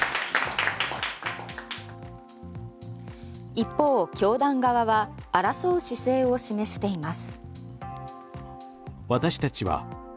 一方、教団側は争う姿勢を示しています。